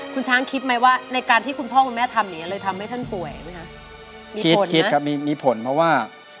คุณช้างคิดไหมว่าในการที่คุณพ่อคุณแม่ทำอย่างเงี้เลยทำให้ท่านป่วยไหมคะคิดคิดครับมีมีผลเพราะว่า